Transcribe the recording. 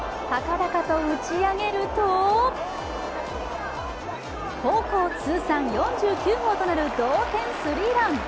高々と打ち上げると高校通算４９号となる同点スリーラン。